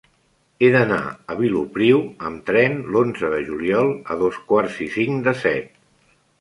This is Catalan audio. He d'anar a Vilopriu amb tren l'onze de juliol a dos quarts i cinc de set.